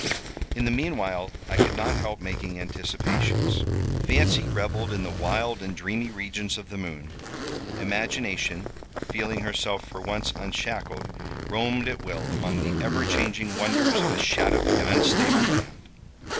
In the meanwhile I could not help making anticipations. Fancy revelled in the wild and dreamy regions of the moon. Imagination, feeling herself for once unshackled, roamed at will among the ever changing wonders of a shadowy and unstable land.